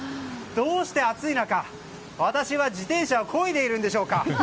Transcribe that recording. どうして、暑い中私は自転車をこいでいるんでしょうか。